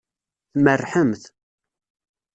Tmerrḥemt.